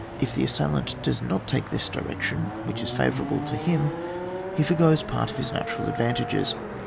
If the assailant does not take this direction which is favourable to him, he foregoes part of his natural advantages.